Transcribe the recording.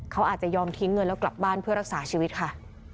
เขาอาจจะยอมทิ้งเงินแล้วกลับบ้านเพื่อรักษาชีวิตค่ะ